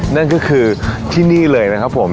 นั่นก็คือที่นี่เลยนะครับผม